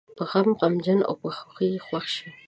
په غم غمجن او په خوښۍ یې خوښ شي.